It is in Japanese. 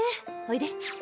おいで。